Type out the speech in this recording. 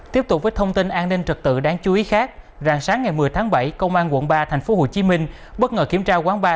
tiếp tục với thông tin an ninh trật tự đáng chú ý khác rạng sáng ngày một mươi tháng bảy công an quận ba tp hcm bất ngờ kiểm tra quán bar